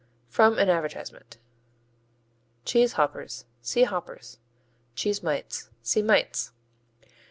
From an advertisement Cheese hoppers see Hoppers. Cheese mites see Mites.